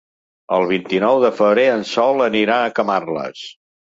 El vint-i-nou de febrer en Sol anirà a Camarles.